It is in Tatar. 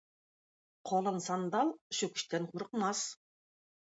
Калын сандал чүкечтән курыкмас.